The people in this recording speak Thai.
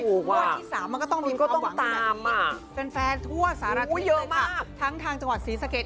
งวดที่๓มันก็ต้องมีความหวังขนาดนี้แฟนทั่วสหรัฐศิลป์เลยค่ะทั้งทางจังหวัดศรีสะเกด